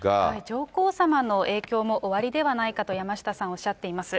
上皇さまの影響もおありではないかと、山下さんはおっしゃっています。